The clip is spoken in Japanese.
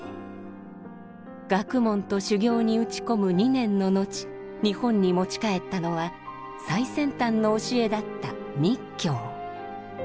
学問と修行に打ち込む２年の後日本に持ち帰ったのは最先端の教えだった密教。